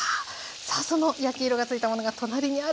さあその焼き色がついたものが隣にあるんですが。